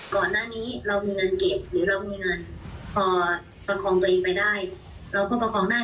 ก่อนหน้านี้เรามีเงินเก็บหรือเรามีเงินพอประคองตัวเองไปได้เราก็ประคองได้